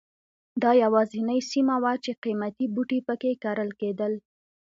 دا یوازینۍ سیمه وه چې قیمتي بوټي په کې کرل کېدل.